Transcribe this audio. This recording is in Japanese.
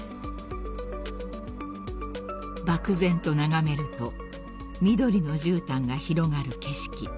［漠然と眺めると緑のじゅうたんが広がる景色］